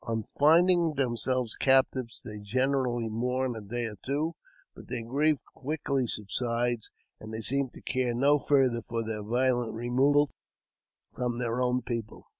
On finding themselves captives, they generally mourn a day or two, but their grief quickly subsides, and they seem to care no farther for their violent removal from their own people.